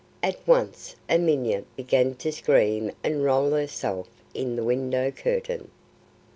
At once Amina began to scream and roll herself in the window curtain.